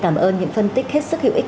cảm ơn những phân tích hết sức hữu ích